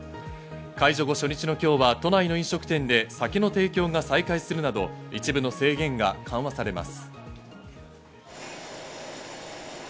解除後初日の今日は都内の飲食店で酒の提供が再開するなど、一部の制限が緩和されます。